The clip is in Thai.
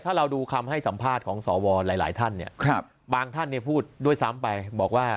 ถ้าเราดูคำให้สัมภาษณ์ของสวหลายท่านเนี่ยบางท่านพูดด้วยซ้ำไปบอกว่า